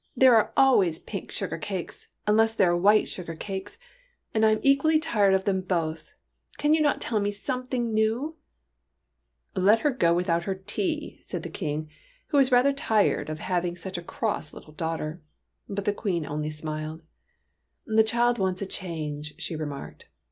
There are always pink I04 TEARS OF PRINCESS PRUNELLA sugar cakes unless there are white sugar cakes, and I am equally tired of them both. Can you not tell me something new?" *' Let her go without her tea," said the King, who was rather tired of having such a cross little daughter. But the Queen only smiled. '' The child wants a change," she remarked.